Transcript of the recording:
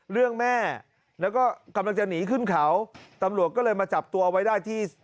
เรื่องแม่แล้วก็กำลังจะหนีขึ้นเขาตำรวจก็เลยมาจับตัวไว้ได้ที่